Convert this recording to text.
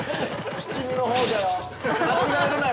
七味のほうじゃよ。